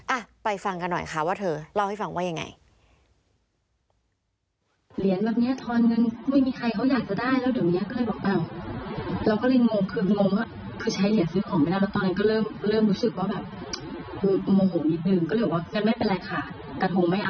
อ่ะไปฟังกันหน่อยค่ะว่าเธอเล่าให้ฟังว่ายังไง